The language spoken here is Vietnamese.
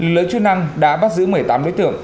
lợi chức năng đã bắt giữ một mươi tám đối tượng